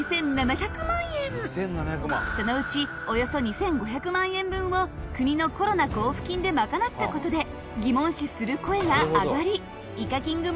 そのうちおよそ２５００万円分を国のコロナ交付金で賄った事で疑問視する声が上がりイカキング